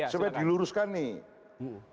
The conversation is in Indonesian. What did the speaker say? supaya diluruskan nih